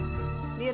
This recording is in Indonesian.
ibu apa kabar